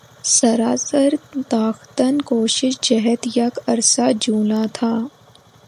سراسر تاختن کو شش جہت یک عرصہ جولاں تھا